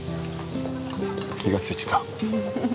気がついてた？